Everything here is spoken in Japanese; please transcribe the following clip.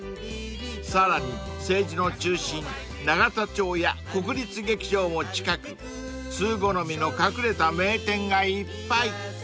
［さらに政治の中心永田町や国立劇場も近く通好みの隠れた名店がいっぱい］